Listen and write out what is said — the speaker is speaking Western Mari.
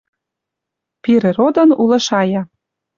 Пирӹ родын улы шая